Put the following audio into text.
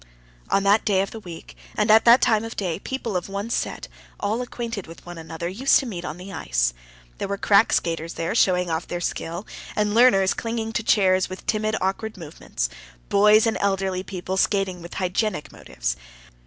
On that day of the week and at that time of day people of one set, all acquainted with one another, used to meet on the ice. There were crack skaters there, showing off their skill, and learners clinging to chairs with timid, awkward movements, boys, and elderly people skating with hygienic motives.